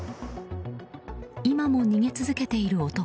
今も逃げ続けている男。